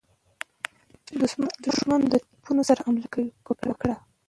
دښمن د توپونو سره حمله وکړه.